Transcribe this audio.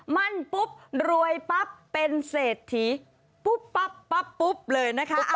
มั่นปุ๊บรวยปั๊บเป็นเศรษฐีปุ๊บปั๊บปั๊บปุ๊บเลยนะคะ